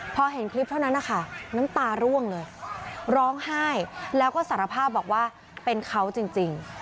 พอเห็นคลิปเท่านั้นนะคะน้ำตาร่วงเลยร้องไห้แล้วก็สารภาพบอกว่าเป็นเขาจริง